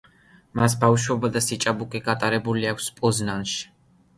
მას ბავშვობა და სიჭაბუკე გატარებული აქვს პოზნანში.